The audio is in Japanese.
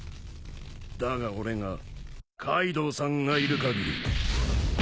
だが俺がカイドウさんがいるかぎり。